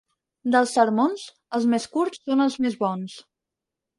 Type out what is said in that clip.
Dels sermons, els més curts són els més bons.